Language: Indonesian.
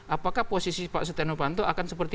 apakah posisi pak setia novanto akan seperti